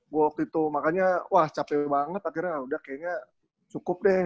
gue waktu itu makanya wah capek banget akhirnya udah kayaknya cukup deh